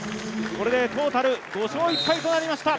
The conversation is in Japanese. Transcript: これでトータル５勝１敗となりました。